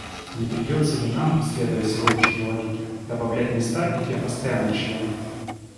Не придётся ли нам, следуя сегодняшней логике, добавлять места и для постоянных членов?